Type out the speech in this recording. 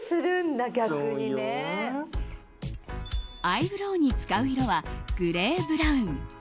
アイブローに使う色はグレーブラウン。